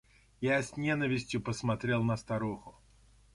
Я с ненавистью посмотрел на старуху.